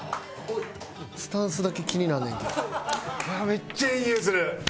めっちゃいいにおいする！